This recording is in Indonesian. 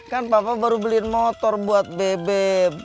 kan papa baru beliin motor buat bebek